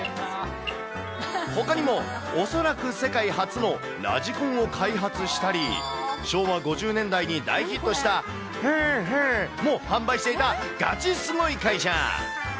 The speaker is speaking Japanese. ほかにも、恐らく世界初のラジコンを開発したり、昭和５０年代に大ヒットした×××も販売していたガチすごい会社。